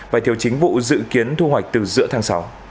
vải thiều chính vụ dự kiến thu hoạch từ giữa tháng sáu